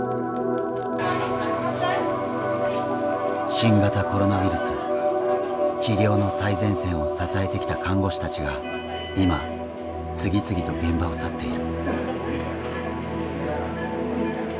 新型コロナウイルス治療の最前線を支えてきた看護師たちが今次々と現場を去っている。